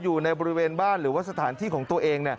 อยู่ในบริเวณบ้านหรือว่าสถานที่ของตัวเอง